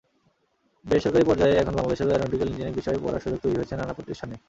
বেসরকারি পর্যায়ে এখন বাংলাদেশেও অ্যারোনটিক্যাল ইঞ্জিনিয়ারিং বিষয়ে পড়ার সুযোগ তৈরি হয়েছে নানা প্রতিষ্ঠানে।